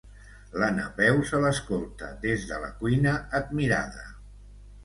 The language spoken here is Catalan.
La Napeu se l'escolta des de la cuina, admirada.